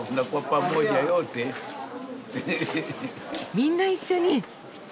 みんな一緒に。